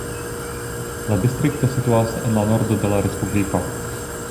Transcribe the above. La distrikto situas en la nordo de la respubliko.